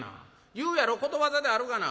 言うやろことわざであるがな。